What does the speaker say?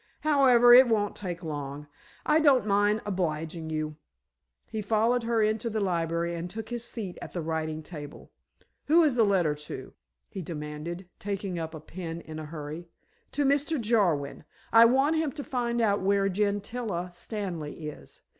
"However, if it won't take long, I don't mind obliging you." He followed her into the library, and took his seat at the writing table. "Who is the letter to?" he demanded, taking up a pen in a hurry. "To Mr. Jarwin. I want him to find out where Gentilla Stanley is.